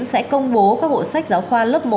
sẽ công bố các bộ sách giáo khoa lớp một